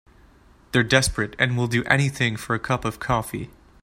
They're desperate and will do anything for a cup of coffee.